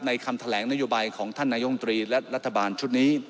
คำแถลงนโยบายของท่านนายมตรีและรัฐบาลชุดนี้